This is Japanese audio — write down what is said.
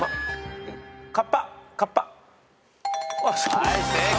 はい正解。